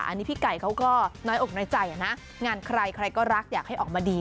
อันนี้พี่ไก่เขาก็น้อยอกน้อยใจนะงานใครใครก็รักอยากให้ออกมาดี